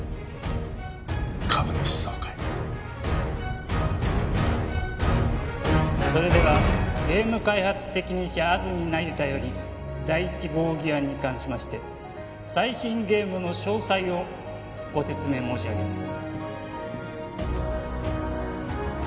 株主総会それではゲーム開発責任者安積那由他より第１号議案に関しまして最新ゲームの詳細をご説明申し上げます